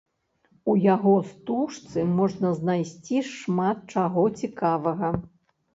У яго стужцы можна знайсці шмат чаго цікавага.